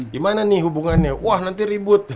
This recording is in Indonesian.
gimana nih hubungannya wah nanti ribut